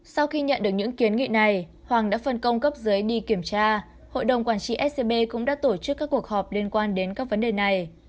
sau khi nhận được những kiến nghị này hoàng đã phân công cấp dưới đi kiểm tra hội đồng quản trị scb cũng đã tổ chức các cuộc họp liên quan đến các vấn đề này